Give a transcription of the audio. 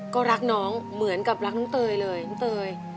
ก็รักน้องเหมือนกับรักน้องเตยเลยน้องเตย